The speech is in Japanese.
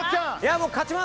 もう勝ちます